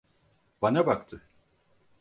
Bana baktı.